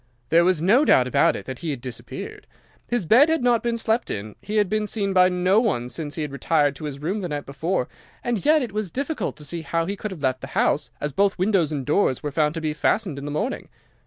There was no doubt about it that he had disappeared. His bed had not been slept in, he had been seen by no one since he had retired to his room the night before, and yet it was difficult to see how he could have left the house, as both windows and doors were found to be fastened in the morning.